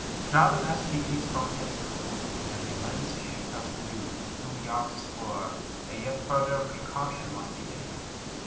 Shrouded as she is from head to foot in an immense sheet of blue, two yards square, a yet further precaution must be taken.